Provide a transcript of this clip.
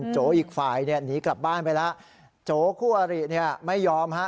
โจอีกฝ่ายเนี่ยหนีกลับบ้านไปแล้วโจคู่อริเนี่ยไม่ยอมฮะ